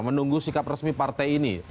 menunggu sikap resmi partai ini